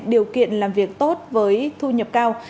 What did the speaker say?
điều kiện làm việc tốt với thu nhập cao